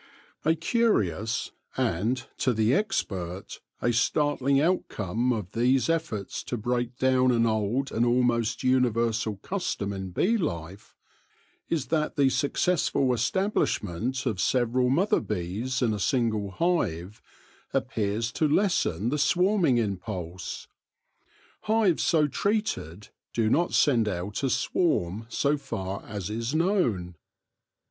A curious and, to the expert, a startling outcome of these efforts to break down an old and almost universal custom in bee life, is that the successful establishment of several mother bees in a single hive appears to lessen the swarming impulse. Hives so treated do not send out a swarm so far as is known.